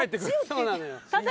そうなのよ。